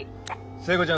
聖子ちゃん